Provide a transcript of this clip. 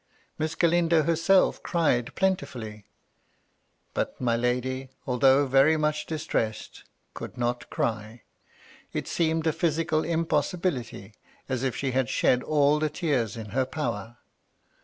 Miss Galindo herself cried plentifully, but my lady, although very much dis tressed, could not cry. It seemed a physical impossi bility, as if she had shed all the tears in her power.